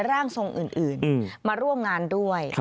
ร่างทรงอื่นมาร่วมงานด้วย